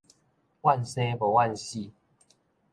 怨生無怨死